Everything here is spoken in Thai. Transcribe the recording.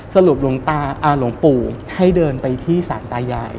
สรุปหลวงปู่ให้เดินไปที่สารตายาย